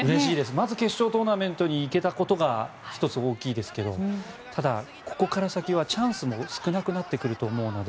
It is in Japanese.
まず決勝トーナメントに行けたことが１つ、大きいですけどただ、ここから先はチャンスも少なくなってくると思うので